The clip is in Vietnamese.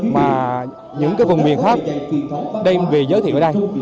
mà những cái vùng miền khác đem về giới thiệu ở đây